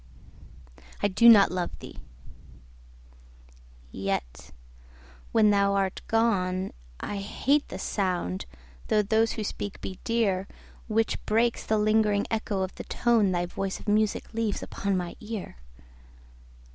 I do not love thee!—yet, when thou art gone, I hate the sound (though those who speak be dear) 10 Which breaks the lingering echo of the tone Thy voice of music leaves upon my ear.